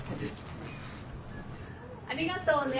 ありがとうね